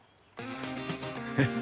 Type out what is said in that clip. えっ？